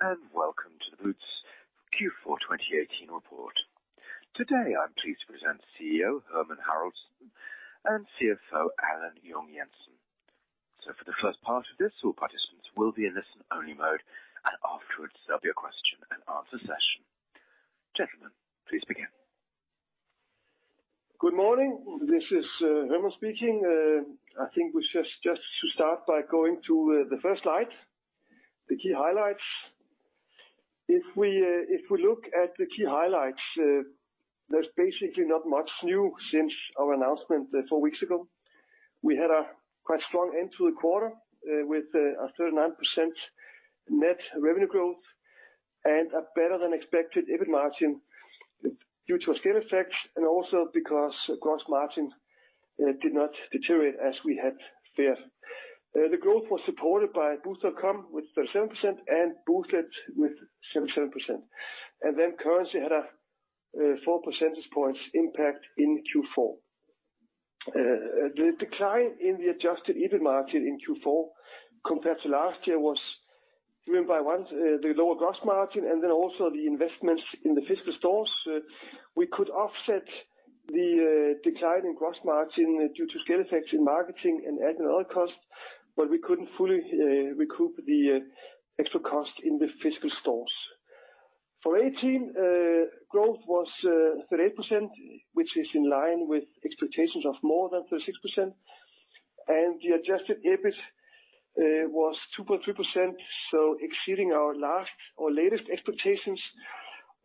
Hello, and welcome to the Boozt Q4 2018 report. Today, I'm pleased to present CEO Hermann Haraldsson and CFO Allan Junge-Jensen. For the first part of this, all participants will be in listen-only mode, and afterwards, there'll be a question-and-answer session. Gentlemen, please begin. Good morning. This is Hermann speaking. I think we should just, just to start by going to the first slide, the key highlights. If we look at the key highlights, there's basically not much new since our announcement four weeks ago. We had a quite strong end to the quarter, with a 39% net revenue growth and a better-than-expected EBIT margin, due to scale effects, and also because gross margin did not deteriorate as we had feared. The growth was supported by Boozt.com, with 37%, and Boozt Labs with 77%. And then currency had a four percentage points impact in Q4. The decline in the adjusted EBIT margin in Q4 compared to last year was driven by, one, the lower gross margin, and then also the investments in the physical stores. We could offset the decline in gross margin due to scale effects in marketing and admin and other costs, but we couldn't fully recoup the extra cost in the physical stores. For 2018, growth was 38%, which is in line with expectations of more than 36%. The adjusted EBIT was 2.3%, so exceeding our last or latest expectations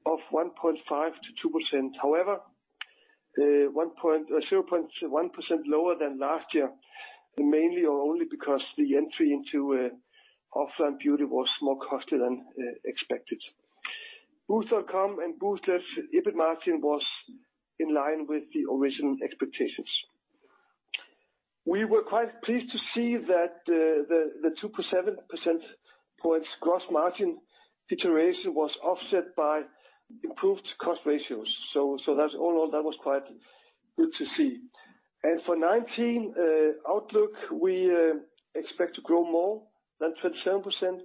of 1.5%-2%. However, 0.1% lower than last year, mainly or only because the entry into offline beauty was more costly than expected. Boozt.com and Boozt Labs' EBIT margin was in line with the original expectations. We were quite pleased to see that, the 2.7 percent points gross margin deterioration was offset by improved cost ratios. So that's all, that was quite good to see. And for 2019 outlook, we expect to grow more than 27%,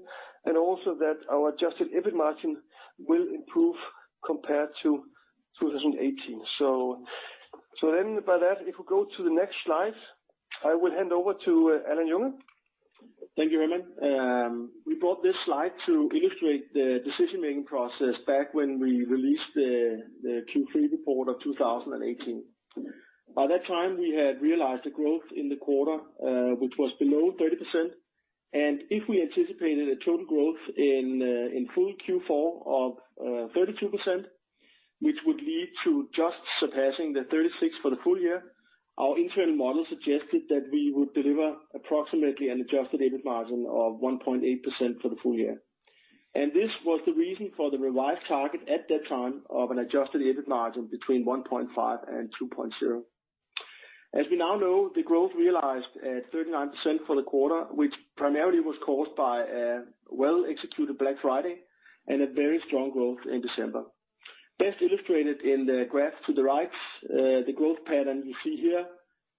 and also that our Adjusted EBIT margin will improve compared to 2018. So then by that, if we go to the next slide, I will hand over to Allan Junge-Jensen. Thank you, Hermann. We brought this slide to illustrate the decision-making process back when we released the Q3 report of 2018. By that time, we had realized the growth in the quarter, which was below 30%, and if we anticipated a total growth in full Q4 of 32%, which would lead to just surpassing the 36% for the full year, our internal model suggested that we would deliver approximately an adjusted EBIT margin of 1.8% for the full year. And this was the reason for the revised target at that time of an adjusted EBIT margin between 1.5% and 2.0%. As we now know, the growth realized at 39% for the quarter, which primarily was caused by a well-executed Black Friday and a very strong growth in December. Best illustrated in the graph to the right, the growth pattern you see here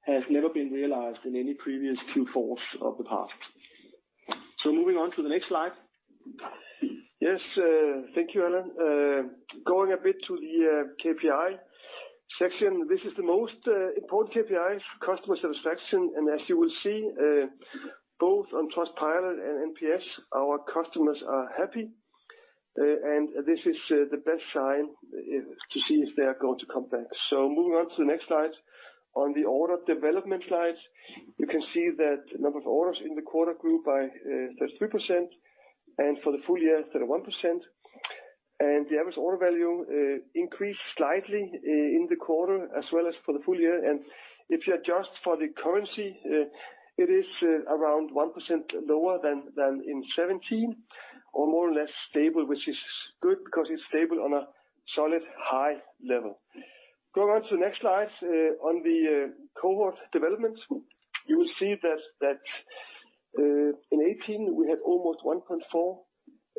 has never been realized in any previous Q4s of the past. So moving on to the next slide. Yes, thank you, Allan. Going a bit to the KPI section, this is the most important KPI, customer satisfaction. As you will see, both on Trustpilot and NPS, our customers are happy, and this is the best sign to see if they are going to come back. Moving on to the next slide. On the order development slide, you can see that the number of orders in the quarter grew by 33%, and for the full year, 31%. The average order value increased slightly in the quarter, as well as for the full year. If you adjust for the currency, it is around 1% lower than in 2017, or more or less stable, which is good because it's stable on a solid, high level. Going on to the next slide, on the cohort development, you will see that in 2018, we had almost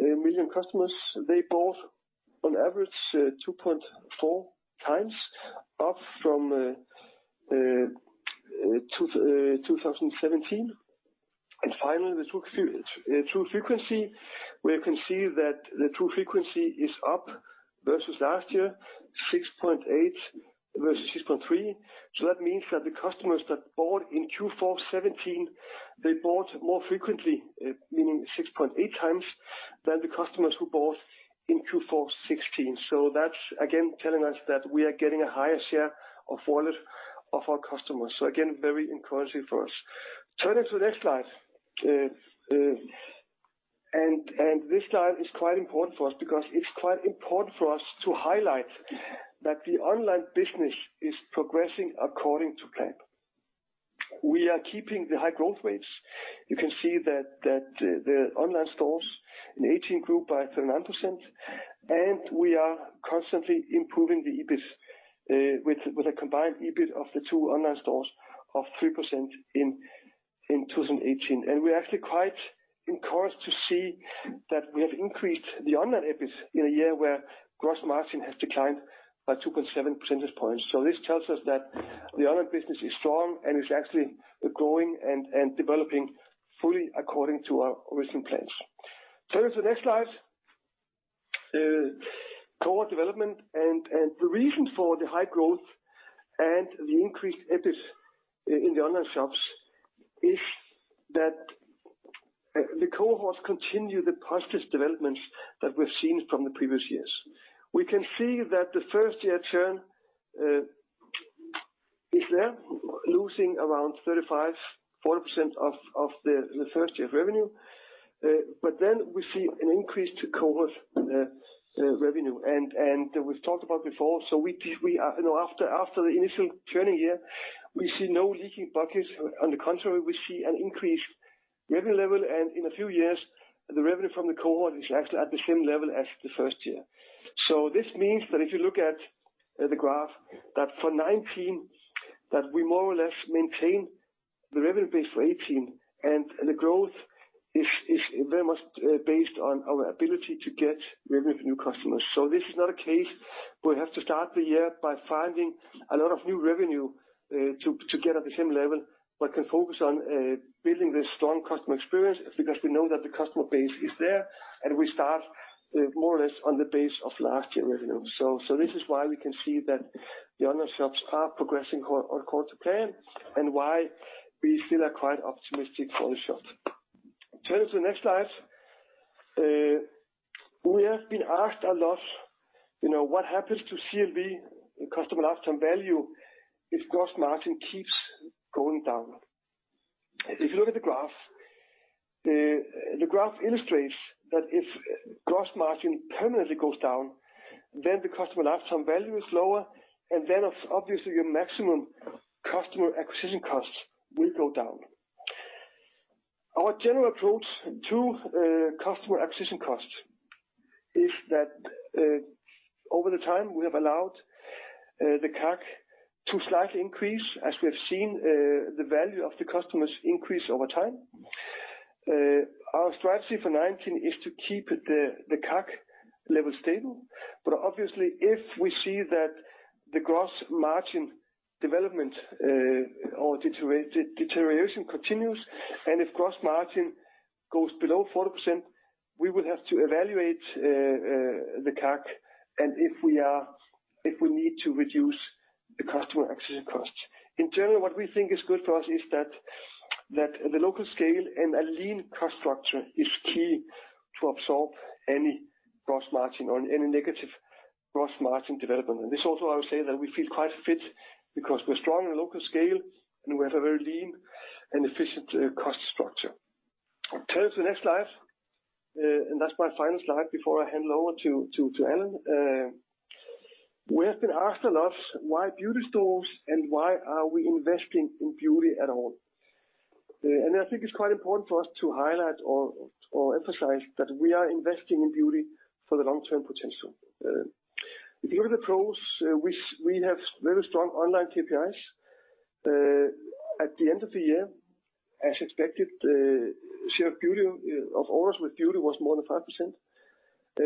1.4 million customers. They bought on average 2.4 times, up from 2017. And finally, the true frequency, where you can see that the true frequency is up versus last year, 6.8 versus 6.3. So that means that the customers that bought in Q4 2017, they bought more frequently, meaning 6.8 times, than the customers who bought in Q4 2016. So that's again telling us that we are getting a higher share of wallet of our customers. So again, very encouraging for us. Turning to the next slide. This slide is quite important for us, because it's quite important for us to highlight that the online business is progressing according to plan. We are keeping the high growth rates. You can see that the online stores in 2018 grew by 39%, and we are constantly improving the EBIT, with a combined EBIT of the two online stores of 3% in 2018. And we're actually quite encouraged to see that we have increased the online EBIT in a year where gross margin has declined by 2.7 percentage points. So this tells us that the online business is strong and is actually growing and developing fully according to our original plans. Turning to the next slide.... Cohort development and the reason for the high growth and the increased EBIT in the online shops is that the cohorts continue the positive developments that we've seen from the previous years. We can see that the first year churn is there, losing around 35-40% of the first year of revenue. But then we see an increase to cohort revenue, and we've talked about before, you know, after the initial churning year, we see no leaking buckets. On the contrary, we see an increased revenue level, and in a few years, the revenue from the cohort is actually at the same level as the first year. So this means that if you look at the graph, that for 2019, that we more or less maintain the revenue base for 2018, and the growth is very much based on our ability to get revenue from new customers. So this is not a case where we have to start the year by finding a lot of new revenue to get at the same level, but can focus on building this strong customer experience, because we know that the customer base is there, and we start more or less on the base of last year revenue. So this is why we can see that the online shops are progressing on course to plan, and why we still are quite opportunistic for the short. Turn to the next slide. We have been asked a lot, you know, what happens to CLV, customer lifetime value, if gross margin keeps going down? If you look at the graph, the graph illustrates that if gross margin permanently goes down, then the customer lifetime value is lower, and then obviously, your maximum customer acquisition costs will go down. Our general approach to customer acquisition costs is that over the time, we have allowed the CAC to slightly increase, as we have seen the value of the customers increase over time. Our strategy for 2019 is to keep the CAC level stable, but obviously, if we see that the gross margin development or deterioration continues, and if gross margin goes below 40%, we will have to evaluate the CAC and if we need to reduce the customer acquisition costs. In general, what we think is good for us is that the local scale and a lean cost structure is key to absorb any gross margin or any negative gross margin development. This also, I would say, we feel quite fit because we're strong on a local scale, and we have a very lean and efficient cost structure. Turn to the next slide, and that's my final slide before I hand over to Allan. We have been asked a lot why beauty stores and why are we investing in beauty at all? I think it's quite important for us to highlight or emphasize that we are investing in beauty for the long-term potential. If you look at the pros, we have very strong online KPIs. At the end of the year, as expected, share of beauty of orders with beauty was more than 5%.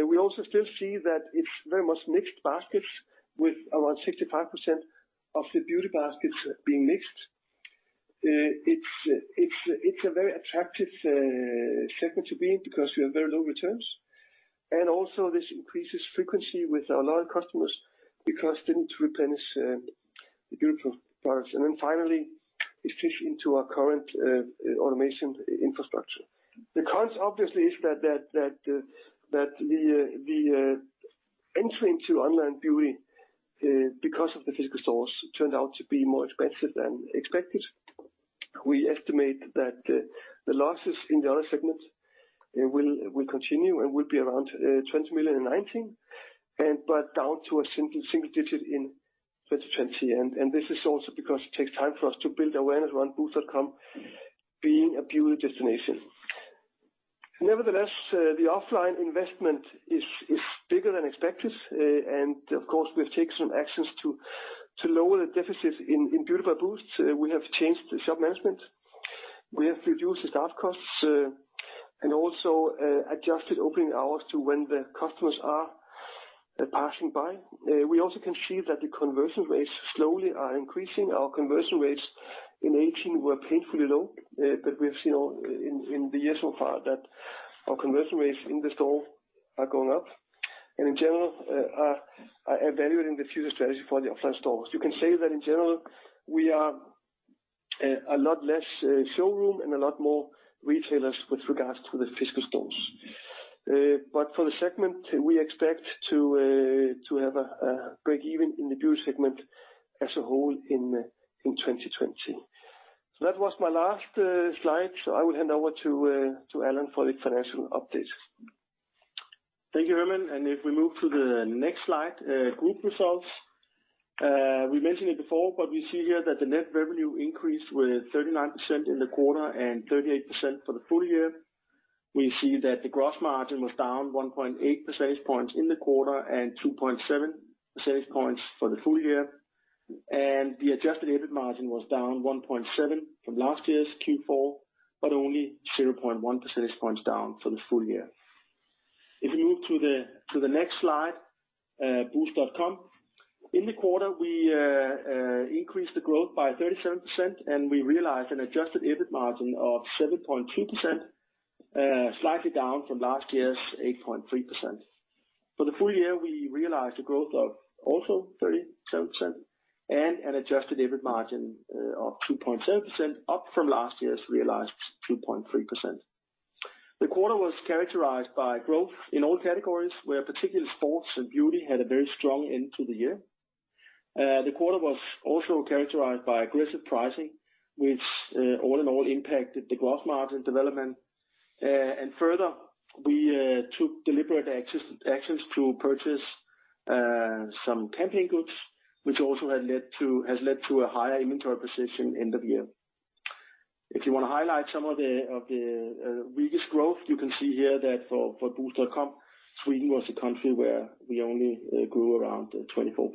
We also still see that it's very much mixed baskets, with around 65% of the beauty baskets being mixed. It's a very attractive segment to be in, because we have very low returns, and also this increases frequency with our loyal customers because they need to replenish the beauty products. And then finally, it fits into our current automation infrastructure. The cons, obviously, is that the entry into online beauty, because of the physical stores, turned out to be more expensive than expected. We estimate that the losses in the other segments will continue and will be around 20 million in 2019, but down to a single digit in 2020. And this is also because it takes time for us to build awareness around Boozt.com being a beauty destination. Nevertheless, the offline investment is bigger than expected, and of course, we have taken some actions to lower the deficit in Beauty by Boozt. We have changed the shop management, we have reduced the staff costs, and also adjusted opening hours to when the customers are passing by. We also can see that the conversion rates slowly are increasing. Our conversion rates in 2018 were painfully low, but we've seen in the year so far that our conversion rates in the store are going up, and in general, are evaluating the future strategy for the offline stores. You can say that in general, we are a lot less showroom and a lot more retailers with regards to the physical stores. But for the segment, we expect to have a break even in the beauty segment as a whole in 2020. So that was my last slide. So I will hand over to Allan for the financial update. Thank you, Hermann, and if we move to the next slide, group results. We mentioned it before, but we see here that the net revenue increased with 39% in the quarter and 38% for the full year. We see that the gross margin was down 1.8 percentage points in the quarter and 2.7 percentage points for the full year, and the adjusted EBIT margin was down 1.7 from last year's Q4, but only 0.1 percentage points down for the full year. If we move to the next slide, Boozt.com. In the quarter, we increased the growth by 37%, and we realized an adjusted EBIT margin of 7.2%, slightly down from last year's 8.3%. For the full year, we realized a growth of also 37% and an adjusted EBIT margin of 2.7%, up from last year's realized 2.3%. The quarter was characterized by growth in all categories, where particularly sports and beauty had a very strong end to the year. The quarter was also characterized by aggressive pricing, which all in all impacted the growth margin development. And further, we took deliberate actions to purchase some campaign goods, which has led to a higher inventory position end of year. If you wanna highlight some of the weakest growth, you can see here that for Boozt.com, Sweden was a country where we only grew around 24%.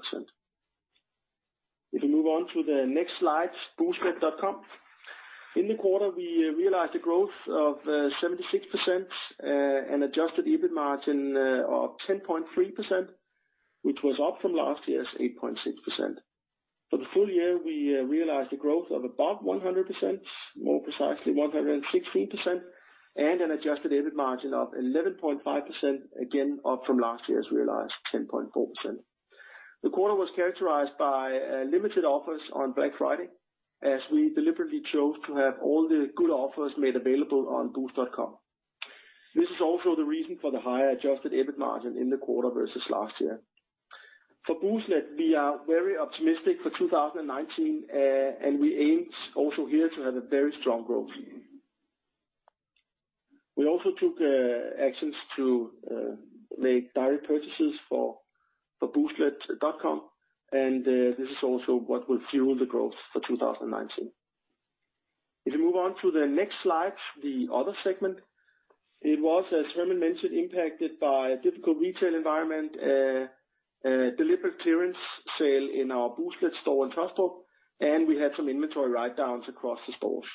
If you move on to the next slide, Booztlet.com. In the quarter, we realized a growth of 76%, and adjusted EBIT margin of 10.3%, which was up from last year's 8.6%. For the full year, we realized a growth of about 100%, more precisely 116%, and an adjusted EBIT margin of 11.5%, again, up from last year's realized 10.4%. The quarter was characterized by limited offers on Black Friday, as we deliberately chose to have all the good offers made available on Boozt.com. This is also the reason for the higher adjusted EBIT margin in the quarter versus last year. For Booztlet, we are very optimistic for 2019, and we aim also here to have a very strong growth. We also took actions to make direct purchases for Booztlet.com, and this is also what will fuel the growth for 2019. If you move on to the next slide, the other segment, it was, as Hermann mentioned, impacted by a difficult retail environment, deliberate clearance sale in our Booztlet store in Taastrup, and we had some inventory write-downs across the stores.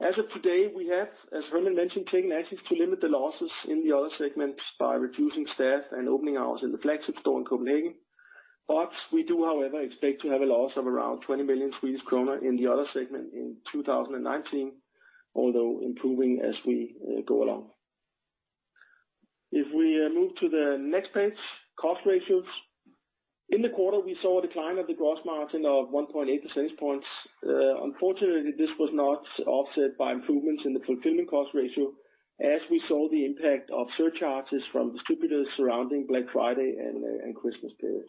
As of today, we have, as Hermann mentioned, taken actions to limit the losses in the other segments by reducing staff and opening hours in the flagship store in Copenhagen. But we do, however, expect to have a loss of around 20 million Swedish kronor in the other segment in 2019, although improving as we go along. If we move to the next page, cost ratios. In the quarter, we saw a decline of the gross margin of 1.8 percentage points. Unfortunately, this was not offset by improvements in the fulfillment cost ratio, as we saw the impact of surcharges from distributors surrounding Black Friday and Christmas period.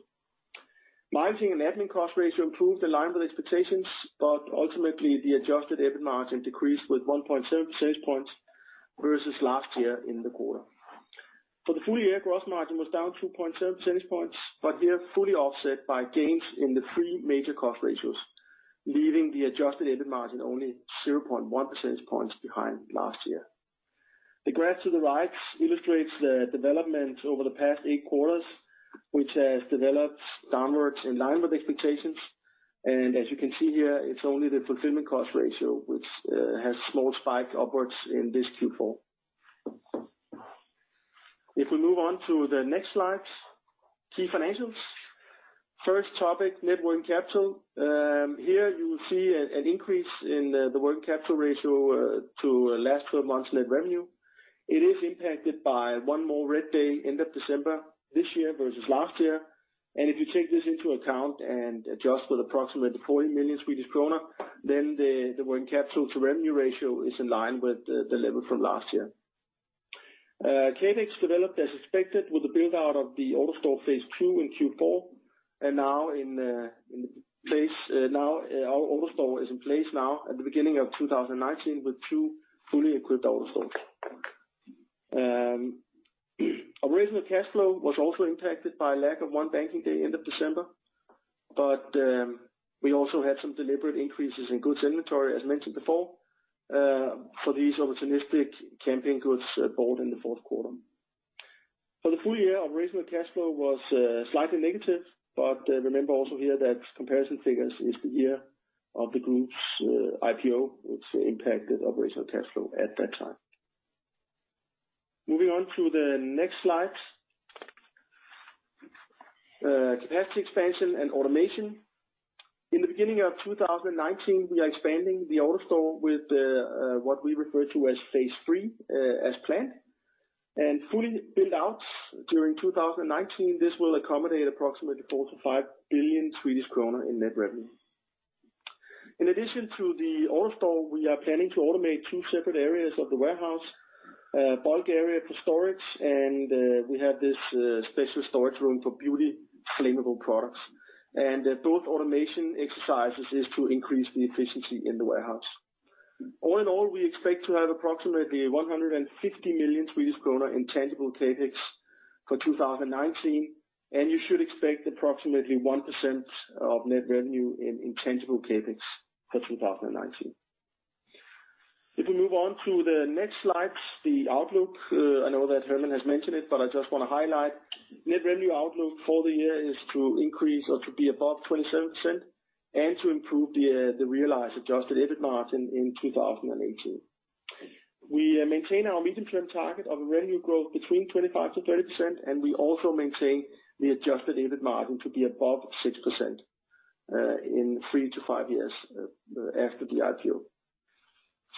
Marketing and admin cost ratio improved in line with expectations, but ultimately, the adjusted EBIT margin decreased with 1.7 percentage points versus last year in the quarter. For the full year, gross margin was down 2.7 percentage points, but we are fully offset by gains in the three major cost ratios, leaving the adjusted EBIT margin only 0.1 percentage points behind last year. The graph to the right illustrates the development over the past eight quarters, which has developed downwards in line with expectations, and as you can see here, it's only the fulfillment cost ratio which has small spike upwards in this Q4. If we move on to the next slide, key financials. First topic, Net Working Capital. Here, you will see an increase in the working capital ratio to last 12 months net revenue. It is impacted by one more red day, end of December this year versus last year, and if you take this into account and adjust for the approximate 40 million Swedish kronor, then the working capital to revenue ratio is in line with the level from last year. CapEx developed as expected with the build-out of the AutoStore phase two in Q4, and now in, in place, now, our AutoStore is in place now at the beginning of 2019 with two fully equipped AutoStore. Operational cash flow was also impacted by lack of one banking day end of December, but, we also had some deliberate increases in goods inventory, as mentioned before, for these opportunistic campaign goods, bought in the fourth quarter. For the full year, operational cash flow was, slightly negative, but, remember also here that comparison figures is the year of the group's, IPO, which impacted operational cash flow at that time. Moving on to the next slide, capacity expansion and automation. In the beginning of 2019, we are expanding the AutoStore with what we refer to as phase three, as planned. Fully built out during 2019, this will accommodate approximately 4 billion-5 billion Swedish kronor in net revenue. In addition to the AutoStore, we are planning to automate two separate areas of the warehouse, bulk area for storage, and we have this special storage room for beauty flammable products. Both automation exercises is to increase the efficiency in the warehouse. All in all, we expect to have approximately 150 million Swedish kronor in tangible CapEx for 2019, and you should expect approximately 1% of net revenue in tangible CapEx for 2019. If we move on to the next slide, the outlook, I know that Hermann has mentioned it, but I just wanna highlight. Net revenue outlook for the year is to increase or to be above 27% and to improve the realized Adjusted EBIT margin in 2018. We maintain our medium-term target of a revenue growth between 25%-30%, and we also maintain the Adjusted EBIT margin to be above 6% in 3-5 years after the IPO.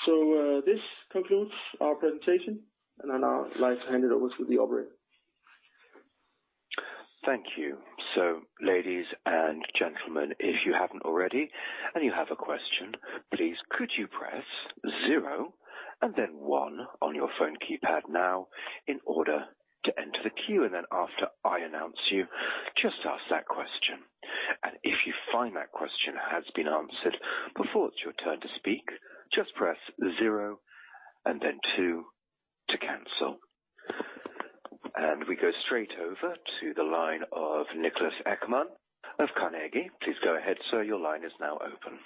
So, this concludes our presentation, and I'd now like to hand it over to the operator. Thank you. So, ladies and gentlemen, if you haven't already, and you have a question, please could you press zero and then one on your phone keypad now in order to enter the queue? And then after I announce you, just ask that question. And if you find that question has been answered before it's your turn to speak, just press zero and then two to cancel. And we go straight over to the line of Niklas Ekman of Carnegie. Please go ahead, sir, your line is now open.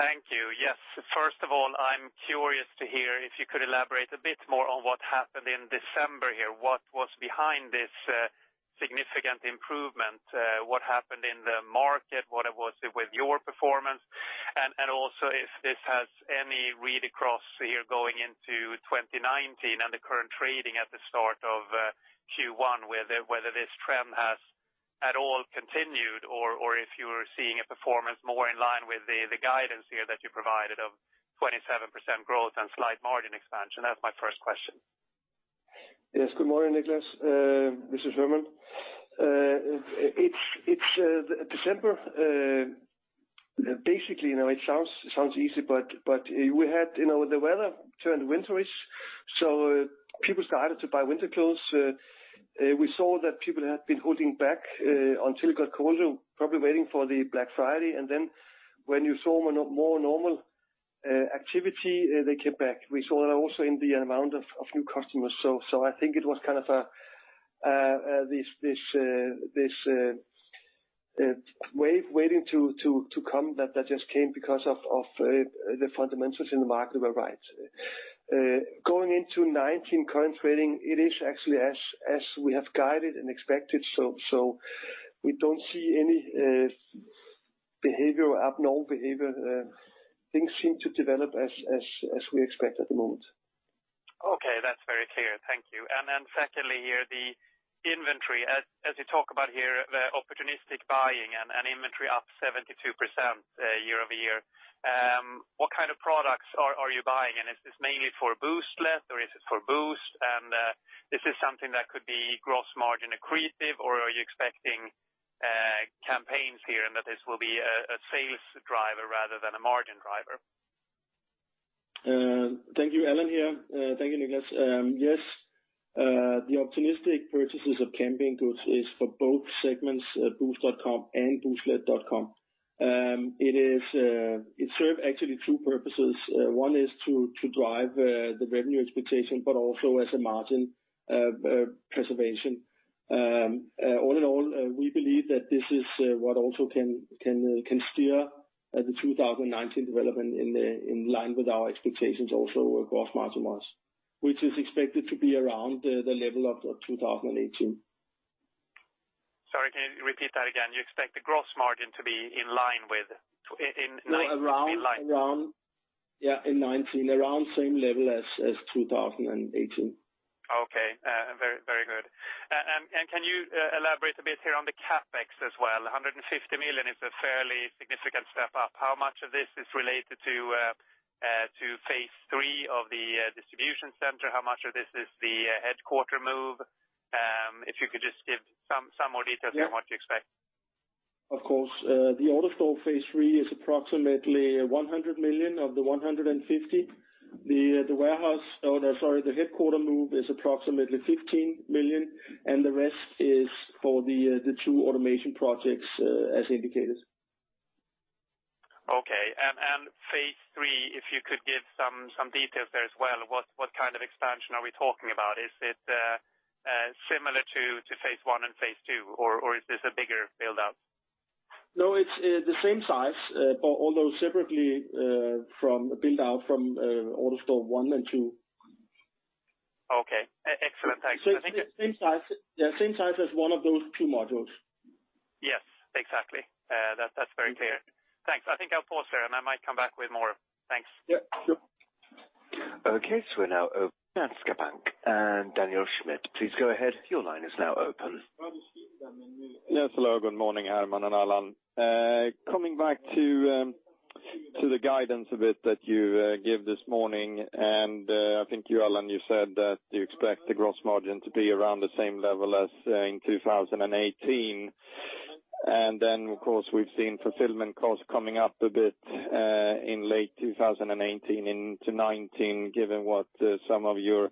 Thank you. Yes, first of all, I'm curious to hear if you could elaborate a bit more on what happened in December here. What was behind this significant improvement? What happened in the market? What was it with your performance? And also if this has any read-across here going into 2019 and the current trading at the start of Q1, whether this trend has at all continued, or if you are seeing a performance more in line with the guidance here that you provided of 27% growth and slight margin expansion. That's my first question. Yes, good morning, Niklas. This is Hermann. It's December, basically, you know, it sounds easy, but we had, you know, the weather turned winterish, so people started to buy winter clothes. We saw that people had been holding back on typical clothes, probably waiting for the Black Friday. And then when you saw more normal activity, they came back. We saw that also in the amount of new customers. So I think it was kind of a this wave waiting to come that just came because of the fundamentals in the market were right. Going into nineteen current trading, it is actually as we have guided and expected, so we don't see any behavioral, abnormal behavior. Things seem to develop as we expect at the moment. Okay, that's very clear. Thank you. And then secondly, here, the inventory, as you talk about here, the opportunistic buying and inventory up 72% year-over-year. What kind of products are you buying? And is this mainly for Booztlet, or is it for Boozt? And is this something that could be gross margin accretive, or are you expecting campaigns here, and that this will be a sales driver rather than a margin driver? Thank you. Allan here. Thank you, Niklas. Yes, the optimistic purchases of campaign goods is for both segments, Boozt.com and Booztlet.com. It is, it serve actually two purposes. One is to, to drive, the revenue expectation, but also as a margin, preservation. All in all, we believe that this is, what also can, can, steer, the 2019 development in line with our expectations also of gross margin, which is expected to be around the, the level of, of 2018. Sorry, can you repeat that again? You expect the gross margin to be in line with to in in- No, around- In line. Around, yeah, in 2019, around same level as, as 2018. Okay, very, very good. And can you elaborate a bit here on the CapEx as well? 150 million is a fairly significant step up. How much of this is related to phase three of the distribution center? How much of this is the headquarters move? If you could just give some more details on- Yeah - what you expect. Of course. The AutoStore phase three is approximately 100 million of the 150 million. The warehouse, oh, no, sorry, the headquarters move is approximately 15 million, and the rest is for the two automation projects, as indicated. Okay. And phase three, if you could give some details there as well. What kind of expansion are we talking about? Is it similar to phase one and phase two, or is this a bigger build-out? No, it's the same size, but although separately from build-out from AutoStore one and two. Okay, excellent. Thanks. So, same size, yeah, same size as one of those two modules. Yes, exactly. That's, that's very clear. Thanks. I think I'll pause here, and I might come back with more. Thanks. Yeah, sure. Okay, so we're now open. Daniel Schmidt, please go ahead. Your line is now open. Yes, hello, good morning, Hermann and Allan. Coming back to the guidance a bit that you gave this morning, and I think you, Allan, you said that you expect the gross margin to be around the same level as in 2018. And then, of course, we've seen fulfillment costs coming up a bit in late 2018 into 2019, given what some of your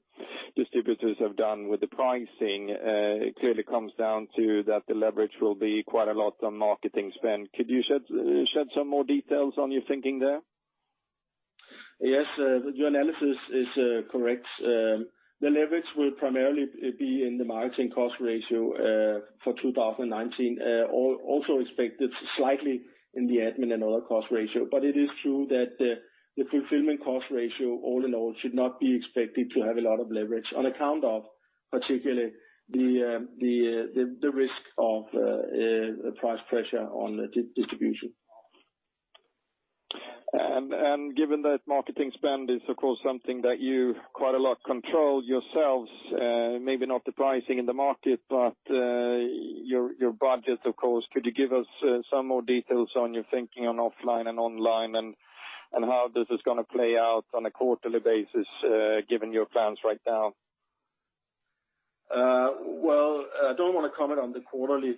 distributors have done with the pricing. It clearly comes down to that the leverage will be quite a lot on marketing spend. Could you shed some more details on your thinking there? Yes, your analysis is correct. The leverage will primarily be in the marketing cost ratio for 2019. Also expected slightly in the admin and other cost ratio. But it is true that the fulfillment cost ratio, all in all, should not be expected to have a lot of leverage on account of particularly the risk of price pressure on the distribution. Given that marketing spend is, of course, something that you quite a lot control yourselves, maybe not the pricing in the market, but your, your budget, of course, could you give us some more details on your thinking on offline and online, and how this is gonna play out on a quarterly basis, given your plans right now? Well, I don't wanna comment on the quarterly.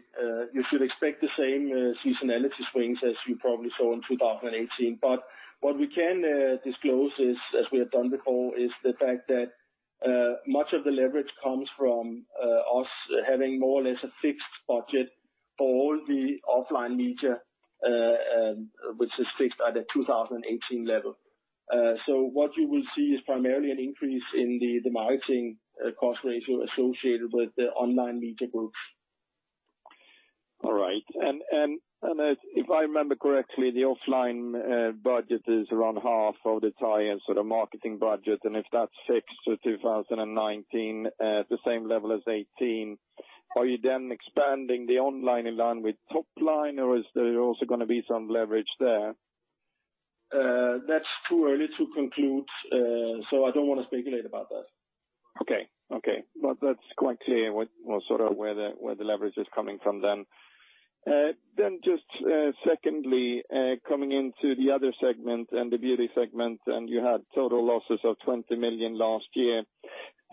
You should expect the same seasonality swings as you probably saw in 2018. But what we can disclose is, as we have done before, is the fact that much of the leverage comes from us having more or less a fixed budget for all the offline media, which is fixed at the 2018 level. So what you will see is primarily an increase in the marketing cost ratio associated with the online media groups. All right. And if I remember correctly, the offline budget is around half of the tie-in, so the marketing budget, and if that's fixed to 2019, the same level as 2018, are you then expanding the online in line with top line, or is there also gonna be some leverage there? That's too early to conclude, so I don't wanna speculate about that. Okay, okay. Well, that's quite clear what well, sort of where the leverage is coming from then. Then just secondly, coming into the other segment and the beauty segment, and you had total losses of 20 million last year.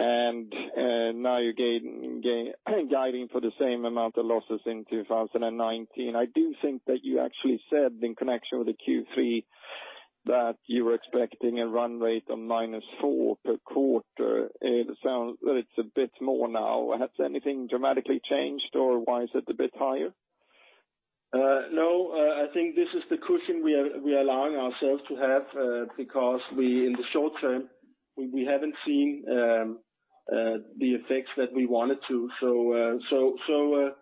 And now you're guiding for the same amount of losses in 2019. I do think that you actually said, in connection with the Q3, that you were expecting a run rate of minus 4 million per quarter. It sounds that it's a bit more now. Has anything dramatically changed, or why is it a bit higher? No, I think this is the cushion we are allowing ourselves to have, because in the short term, we haven't seen the effects that we wanted to. So,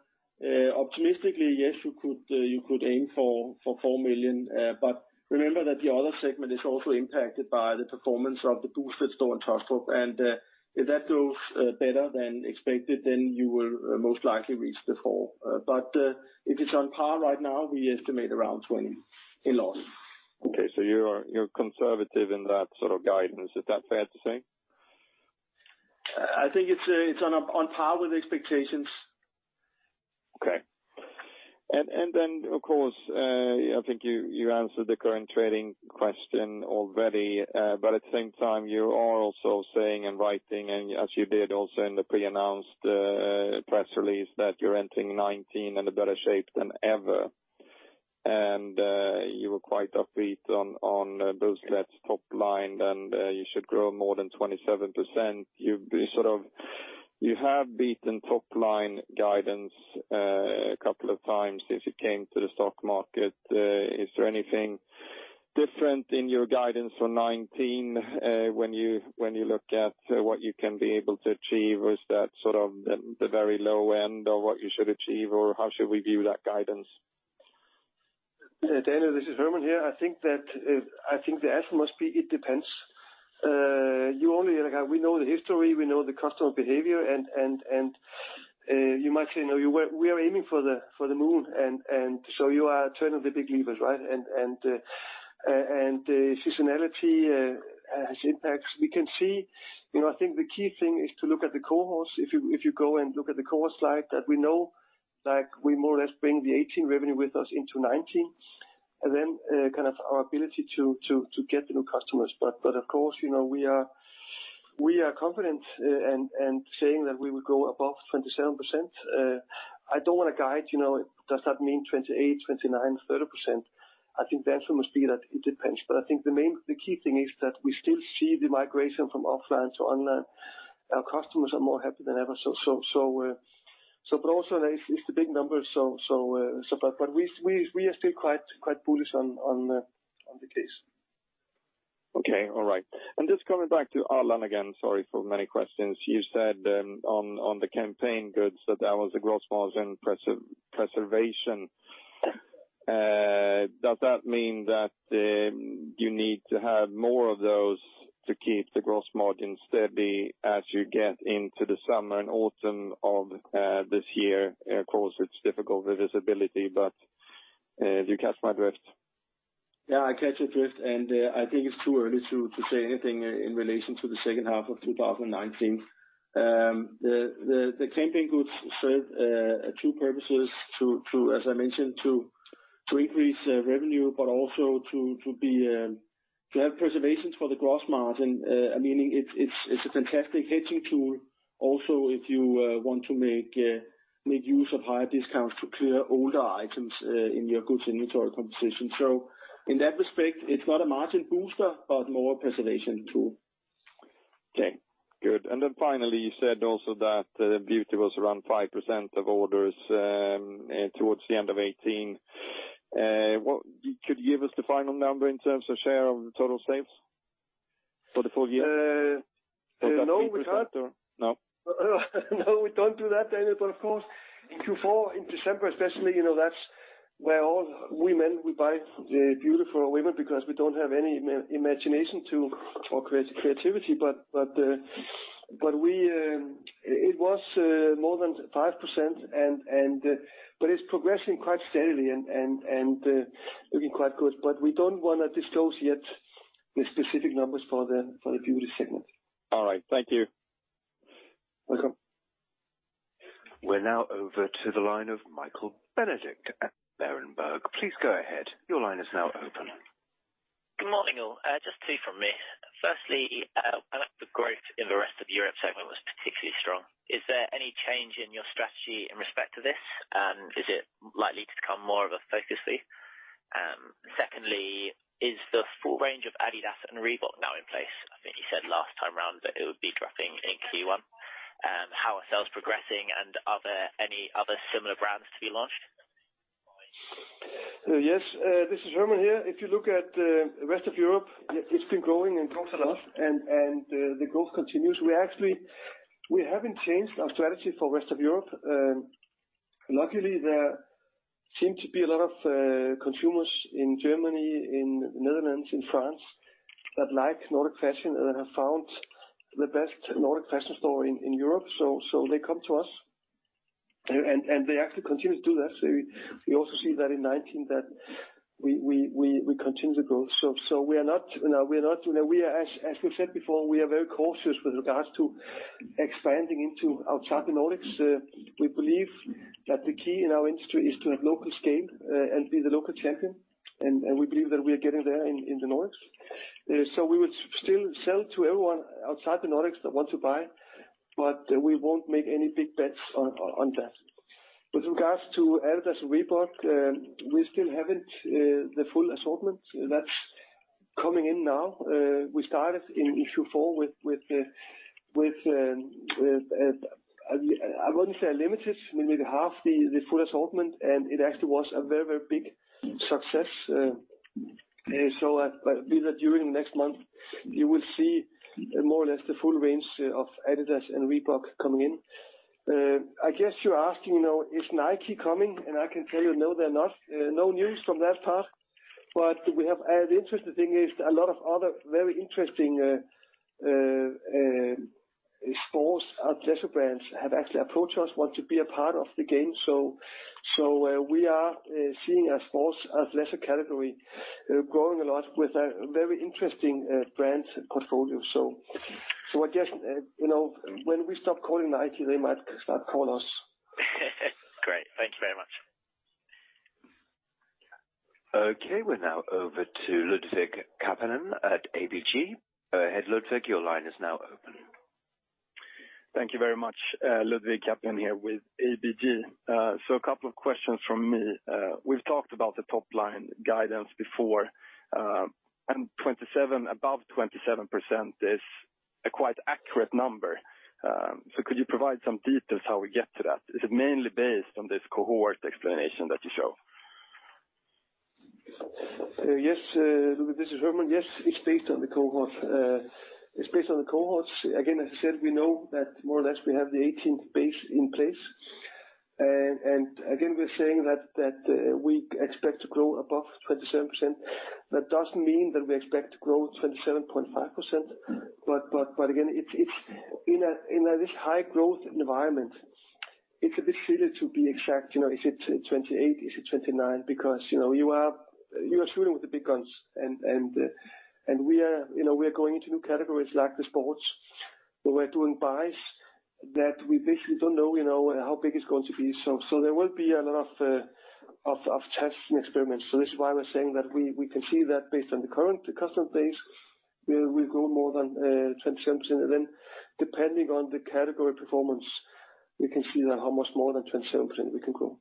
optimistically, yes, you could aim for 4 million, but remember that the other segment is also impacted by the performance of the Booztlet store in Taastrup, and if that goes better than expected, then you will most likely reach the four. But if it's on par right now, we estimate around 20 million in loss. Okay, so you're, you're conservative in that sort of guidance. Is that fair to say? I think it's on par with expectations. Okay. And then, of course, I think you answered the current trading question already, but at the same time, you are also saying and writing, and as you did also in the pre-announced press release, that you're entering 2019 in a better shape than ever, and you were quite upbeat on Booztlet's top line, and you should grow more than 27%. You've sort of... You have beaten top-line guidance a couple of times since you came to the stock market. Is there anything different in your guidance for 2019, when you look at what you can be able to achieve? Was that sort of the very low end of what you should achieve, or how should we view that guidance? Daniel, this is Hermann here. I think that, I think the answer must be it depends. You only... We know the history, we know the customer behavior, and, and, and, you might say, you know, we, we are aiming for the, for the moon, and, and, and, seasonality, has impacts. We can see. You know, I think the key thing is to look at the cohorts. If you, if you go and look at the cohort slide that we know, like, we more or less bring the 2018 revenue with us into 2019, and then, kind of our ability to, to, to get new customers. But, but of course, you know, we are, we are confident, and, and saying that we will grow above 27%. I don't wanna guide, you know, does that mean 28, 29, 30%? I think the answer must be that it depends. But I think the main, the key thing is that we still see the migration from offline to online. Our customers are more happy than ever, so but also it's the big numbers, so but we are still quite bullish on the case. Okay, all right. And just coming back to Allan again, sorry for many questions. You said on the campaign goods that there was a gross margin preservation. Does that mean that you need to have more of those to keep the gross margin steady as you get into the summer and autumn of this year? Of course, it's difficult with visibility, but you catch my drift. Yeah, I catch your drift, and I think it's too early to say anything in relation to the second half of 2019. The campaign goods serve two purposes, as I mentioned, to increase revenue, but also to have preservations for the gross margin, meaning it's a fantastic hedging tool also if you want to make use of higher discounts to clear older items in your goods and inventory composition. So in that respect, it's not a margin booster, but more a preservation tool. Okay, good. And then finally, you said also that, beauty was around 5% of orders, towards the end of 2018. Could you give us the final number in terms of share of the total sales for the full year? No, we can't. No? No, we don't do that, Daniel, but of course, in Q4, in December especially, you know, that's...... Well, all we men, we buy beautiful for women because we don't have any imagination to, or creativity, but, but, but we, it was more than 5% and, and, but it's progressing quite steadily and, and, and looking quite good. But we don't wanna disclose yet the specific numbers for the, for the beauty segment. All right, thank you. Welcome. We're now over to the line of Michael Benedict at Berenberg. Please go ahead. Your line is now open. Good morning, all. Just two from me. Firstly, I like the growth in the rest of the Europe segment was particularly strong. Is there any change in your strategy in respect to this? And is it likely to become more of a focus area? Secondly, is the full range of Adidas and Reebok now in place? I think you said last time around that it would be dropping in Q1. How are sales progressing, and are there any other similar brands to be launched? Yes, this is Hermann here. If you look at the rest of Europe, it's been growing and growing a lot, and the growth continues. We actually haven't changed our strategy for rest of Europe. Luckily, there seem to be a lot of consumers in Germany, in Netherlands, in France, that like Nordic fashion and have found the best Nordic fashion store in Europe, so they come to us. And they actually continue to do that, so we also see that in 2019 that we continue to grow. So we are not, you know, we are not, you know, we are, as we said before, we are very cautious with regards to expanding into outside the Nordics. We believe that the key in our industry is to have local scale, and be the local champion, and we believe that we are getting there in the Nordics. So we would still sell to everyone outside the Nordics that want to buy, but we won't make any big bets on that. But with regards to Adidas and Reebok, we still haven't the full assortment. That's coming in now. We started in Q4 with I wouldn't say a limited, maybe half the full assortment, and it actually was a very, very big success, so, but these are during the next month, you will see more or less the full range of Adidas and Reebok coming in. I guess you're asking, you know, is Nike coming? I can tell you, no, they're not. No news from that part, but we have, the interesting thing is a lot of other very interesting sports athletic brands have actually approached us, want to be a part of the game. So, we are seeing a sports athletic category growing a lot with a very interesting brand portfolio. So I guess, you know, when we stop calling Nike, they might start call us. Great. Thank you very much. Okay, we're now over to Ludwig Kapellen at ABG. Hi, Ludwig, your line is now open. Thank you very much. Ludwig Kapellen here with ABG. So a couple of questions from me. We've talked about the top line guidance before, and 27, above 27% is a quite accurate number. So could you provide some details how we get to that? Is it mainly based on this cohort explanation that you show? Yes, Ludwig, this is Hermann. Yes, it's based on the cohort. It's based on the cohorts. Again, as I said, we know that more or less we have the 18% base in place. And again, we're saying that we expect to grow above 27%. That doesn't mean that we expect to grow 27.5%, but again, it's in this high growth environment, it's a bit silly to be exact, you know, is it 28, is it 29? Because, you know, you are shooting with the big guns, and we are going into new categories like the sports, but we're doing buys that we basically don't know, you know, how big it's going to be. So there will be a lot of tests and experiments. So this is why we're saying that we can see that based on the current customer base, we will grow more than 27%. And then, depending on the category performance, we can see that how much more than 27% we can grow.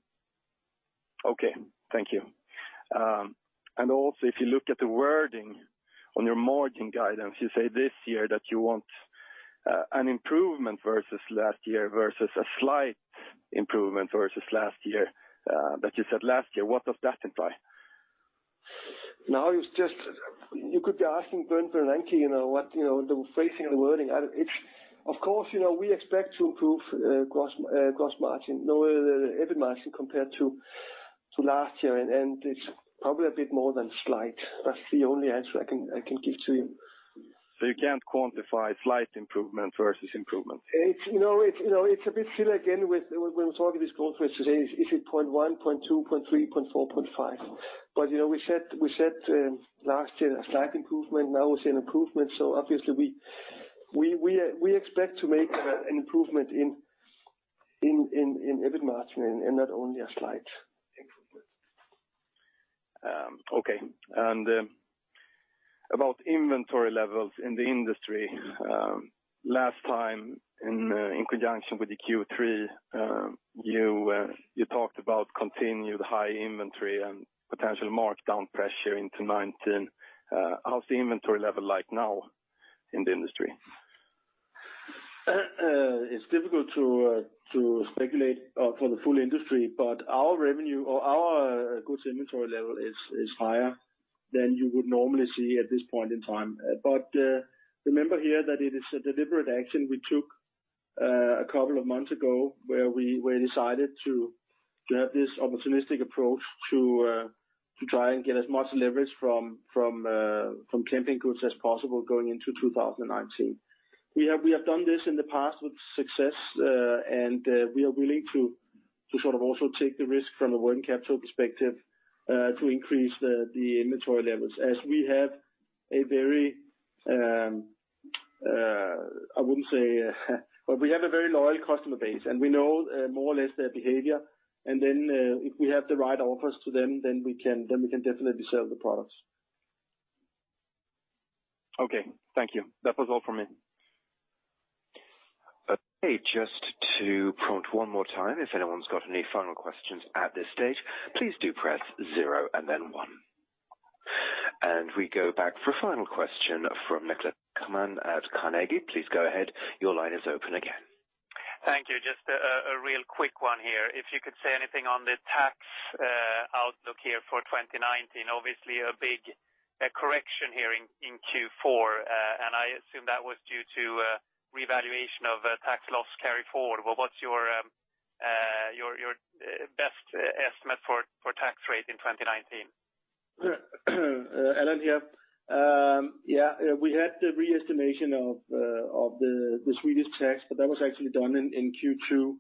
Okay. Thank you. And also, if you look at the wording on your margin guidance, you say this year that you want an improvement versus last year, versus a slight improvement versus last year that you said last year. What does that imply? Now it's just, you could be asking Ben Bernanke, you know, what, you know, the phrasing and the wording. It's, of course, you know, we expect to improve gross margin, no, EBIT margin compared to last year, and it's probably a bit more than slight. That's the only answer I can give to you. So you can't quantify slight improvement versus improvement? It's, you know, it's a bit silly again when we're talking this growth rates today, is it 0.1, 0.2, 0.3, 0.4, 0.5? But, you know, we said last year a slight improvement, now we're seeing improvement, so obviously we expect to make an improvement in EBIT margin, and not only a slight improvement. Okay. About inventory levels in the industry, last time in conjunction with the Q3, you talked about continued high inventory and potential markdown pressure into 2019. How's the inventory level like now in the industry? It's difficult to speculate for the full industry, but our revenue or our goods inventory level is higher than you would normally see at this point in time. But remember here that it is a deliberate action we took.... a couple of months ago, where we decided to have this opportunistic approach to try and get as much leverage from campaign goods as possible going into 2019. We have done this in the past with success, and we are willing to sort of also take the risk from a working capital perspective to increase the inventory levels, as we have a very, I wouldn't say, well, we have a very loyal customer base, and we know more or less their behavior. And then, if we have the right offers to them, then we can definitely sell the products. Okay, thank you. That was all for me. Okay, just to prompt one more time, if anyone's got any final questions at this stage, please do press zero and then one. We go back for a final question from Niklas Ekman at Carnegie. Please go ahead. Your line is open again. Thank you. Just a real quick one here. If you could say anything on the tax outlook here for 2019. Obviously, a big correction here in Q4, and I assume that was due to revaluation of tax loss carry forward. Well, what's your best estimate for tax rate in 2019? Allan here. Yeah, we had the re-estimation of the Swedish tax, but that was actually done in Q2.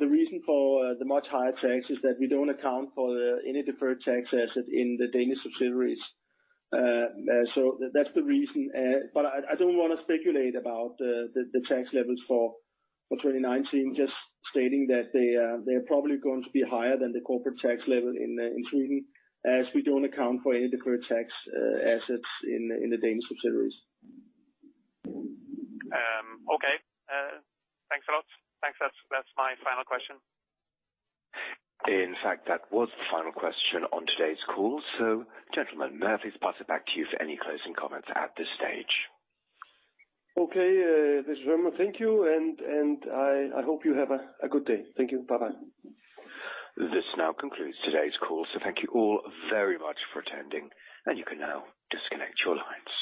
The reason for the much higher tax is that we don't account for any deferred tax asset in the Danish subsidiaries. So that's the reason. But I don't wanna speculate about the tax levels for 2019, just stating that they're probably going to be higher than the corporate tax level in Sweden, as we don't account for any deferred tax assets in the Danish subsidiaries. Okay. Thanks a lot. Thanks, that's, that's my final question. In fact, that was the final question on today's call, so gentlemen, may I please pass it back to you for any closing comments at this stage? Okay, this is Hermann. Thank you, and I hope you have a good day. Thank you. Bye-bye. This now concludes today's call, so thank you all very much for attending, and you can now disconnect your lines.